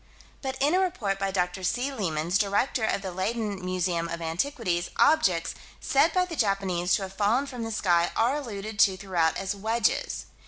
But in a report by Dr. C. Leemans, Director of the Leyden Museum of Antiquities, objects, said by the Japanese to have fallen from the sky, are alluded to throughout as "wedges."